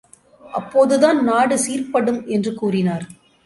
அப்பொழுதுதான் நாடு சீர்ப்படும் என்று கூறினார்.